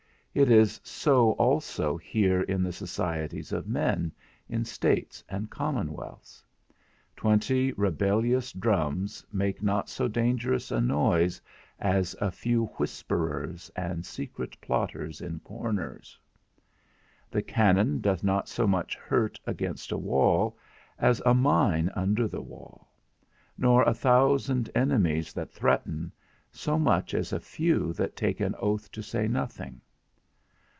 It is so also here in the societies of men, in states and commonwealths. Twenty rebellious drums make not so dangerous a noise as a few whisperers and secret plotters in corners. The cannon doth not so much hurt against a wall, as a mine under the wall; nor a thousand enemies that threaten, so much as a few that take an oath to say nothing.